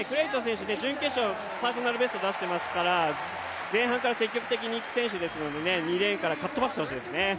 準決勝、パーソナルベスト出していますから前半から積極的に行く選手ですので２レーンからかっ飛ばしてほしいですね。